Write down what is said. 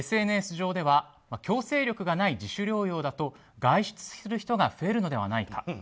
ＳＮＳ上では強制力がない自主療養だと外出する人が増えるのではないか。